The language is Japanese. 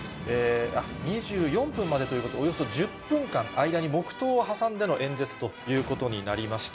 ２４分までということ、およそ１０分間、間に黙とうを挟んでの演説ということになりました。